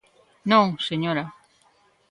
–Non, señora.